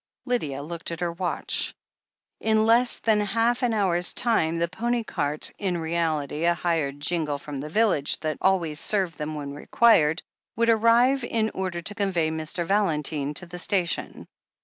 Lydia looked at her watch. In less than half an hour's time the pony cart — in reality a hired jingle from the village that always served them when required — ^would arrive in order to convey Mr. Valentine to the station.